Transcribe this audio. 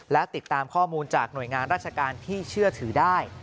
และติดตามข้อมูลจากหน่วยงานราชการที่เชื่อถือได้